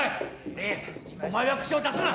凛お前は口を出すな。